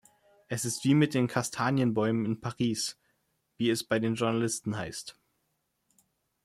Es ist wie mit den Kastanienbäumen in Paris, wie es bei den Journalisten heißt.